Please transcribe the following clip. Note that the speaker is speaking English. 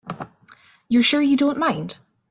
You're sure you don't mind?